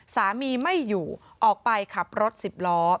สามีไม่อยู่ออกไปขับรถสิบล้อ